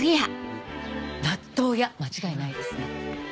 「納豆屋」間違いないですね。